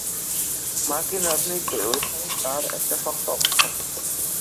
মার্কিন রাজনীতিতে রয়েছে তার একটা শক্ত অবস্থান।